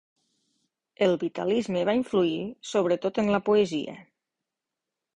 El vitalisme va influir, sobretot en la poesia.